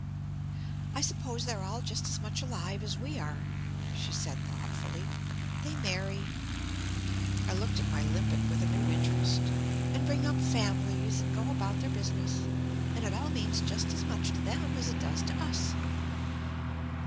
"I suppose they're all just as much alive as we are," she said thoughtfully. "They marry" I looked at my limpet with a new interest "and bring up families and go about their business, and it all means just as much to them as it does to us."